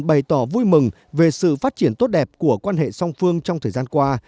bày tỏ vui mừng về sự phát triển tốt đẹp của quan hệ song phương trong thời gian qua